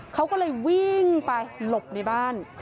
เขาก็เลยวิ่งไปหลบในบ้าน